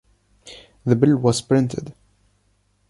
The bill was printed.